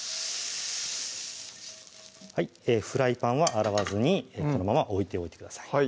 はいフライパンは洗わずにこのまま置いておいてください